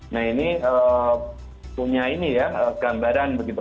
nah ini punya ini ya gambaran begitu